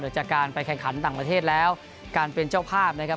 จากการไปแข่งขันต่างประเทศแล้วการเป็นเจ้าภาพนะครับ